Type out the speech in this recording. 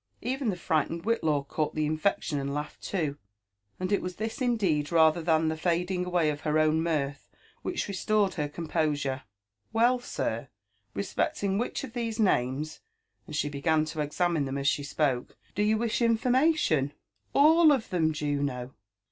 Even the frightened Whitlaw caught the infection, and laughed too ; and it was this indeed, rather than tho fading away of her own mirth, which restored her composure. Well, sir I — respecting which of these names," and she began to examine them as she spoke, ^j do you yfish information ?'* JONATHAN JEFFERSON WHITLAW. 817 "All of them, Judo."